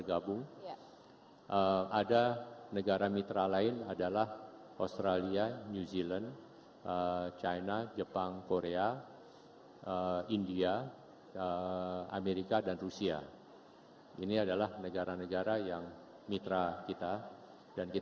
nah yang masalah mendesak ini masalah politik ini